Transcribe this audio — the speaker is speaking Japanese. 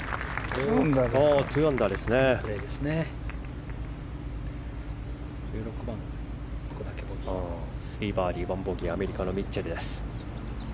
３アンダー、２ボギーアメリカのミッチェルです。